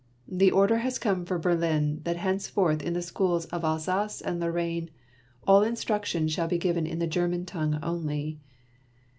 The order has come from Berlin that hence forth in the schools of Alsace and Lorraine all in struction shall be given in the German tongue only.